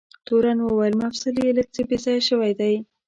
تورن وویل: مفصل یې لږ څه بې ځایه شوی دی.